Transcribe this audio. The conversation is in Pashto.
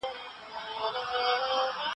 جګړه د انسانانو په ژوند کې تر ټولو بده پېښه ده.